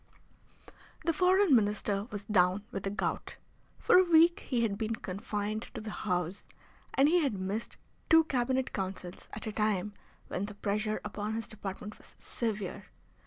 The Foreign Minister was down with the gout. For a week he had been confined to the house, and he had missed two Cabinet Councils at a time when the pressure upon his department was severe.